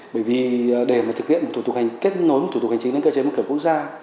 bởi vì để thực hiện một thủ tục kết nối một thủ tục hành chính lên cơ chế một cửa quốc gia